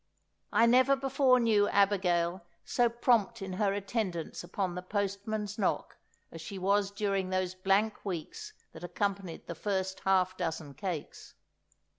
I never before knew Abigail so prompt in her attendance upon the postman's knock as she was during those blank weeks that accompanied the first half dozen cakes.